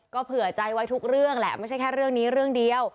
เผื่อใจไว้ทุกเรื่องแหละไม่ใช่แค่เรื่องนี้เรื่องเดียว